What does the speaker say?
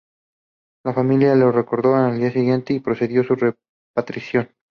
La familia lo reconoció el día siguiente y se procedió a su repatriación.